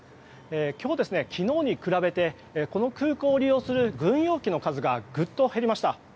今日、昨日に比べてこの空港を利用する軍用機の数がぐっと減りました。